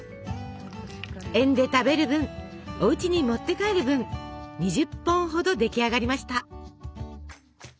園で食べる分おうちに持って帰る分２０本ほど出来上がりました。